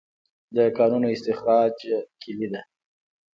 د کانونو استخراج کلي ده؟